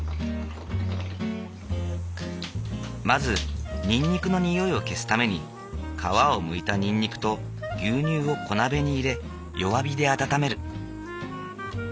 まずにんにくの匂いを消すために皮をむいたにんにくと牛乳を小鍋に入れ弱火で温める。